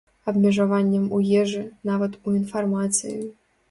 Абмежаваннем у ежы, нават у інфармацыі.